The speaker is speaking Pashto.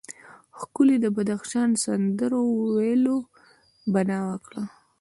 ښکلي بدخشان سندرو ویلو بنا وکړه.